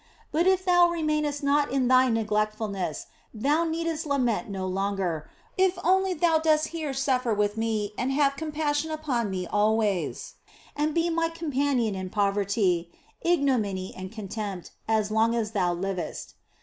But if thou remainest not in thy neglectfulness thou needest lament no longer, if only thou dost here suffer with Me and have compassion upon Me always, and be My companion in poverty, ignominy, and contempt as long as thou livest.